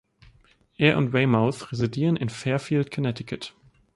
Er und Weymouth residieren in Fairfield, Connecticut.